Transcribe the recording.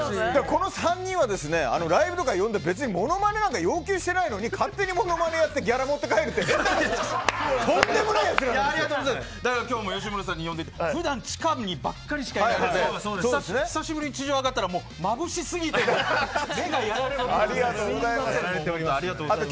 この３人はライブとか呼んでも別にものまねなんか要求していないのに勝手にものまねやってギャラ持って帰るっていうだから今日も吉村さんに呼んでいただいて普段地下にばかりしかいないのに久しぶりに地上に上がったらもう眩しすぎて目がやられました。